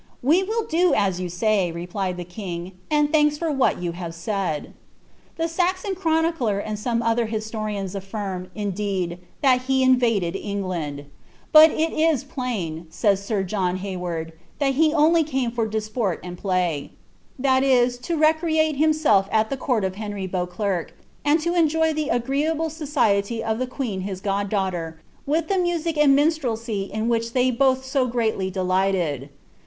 ^ We will do as yon say," replied the king, ^ and thanks for what you have said." ' The Saxon chronicler and some other historians affirm, indeed, that he invaded England ;^ but it is plain," says Sir John Hay ward, ^ that he only came mr di^rt and play," that is, to recreate himself at the eovti of Henry Beauclerc, and to enjoy the agreeable society of the queen his god^ughter, with the music and minstrelsy in which they both so greatly de^ghted.